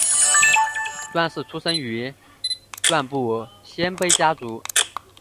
段氏出身于段部鲜卑家族。